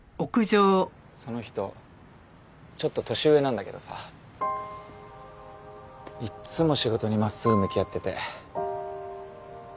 その人ちょっと年上なんだけどさいっつも仕事に真っすぐ向き合ってて。